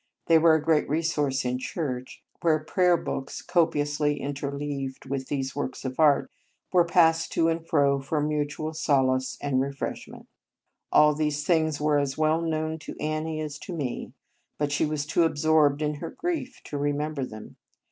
They were a great resource in church, where prayer books, copiously interleaved with these works of art, were passed to and fro for mutual solace and re freshment. All these things were as well known to Annie as to me, but she was too absorbed in her grief to remember them.